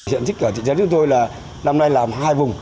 hiện trích của chị cháu chúng tôi là năm nay làm hai vùng